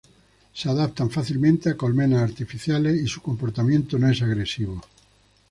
Se adaptan fácilmente a colmenas artificiales y su comportamiento no es agresivo.